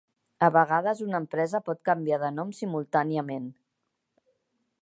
A vegades una empresa pot canviar de nom simultàniament.